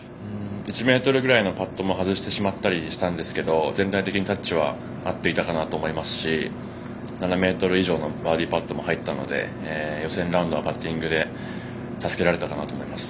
１ｍぐらいのパットも外してしまったりしたんですけど全体的にタッチは合っていたかなと思いますし７ｍ以上のバーディーパットも入ったので予選ラウンドはパッティングで助けられたかなと思います。